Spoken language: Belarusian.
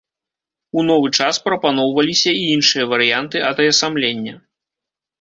У новы час прапаноўваліся і іншыя варыянты атаясамлення.